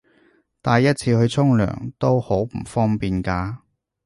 帶一次去沖涼都好唔方便㗎